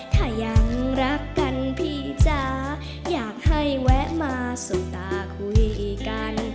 ถ้ายังรักกันพี่จ๋าอยากให้แวะมาสู่ตาคุยกัน